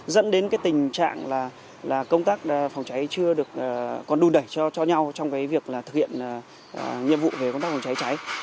dẫn đến tình trạng là công tác phòng trái trái chưa còn đun đẩy cho nhau trong việc thực hiện nhiệm vụ về công tác phòng trái trái